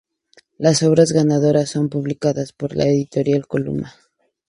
Las obras ganadoras son publicada por la Editorial Columna.